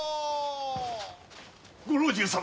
ご老中様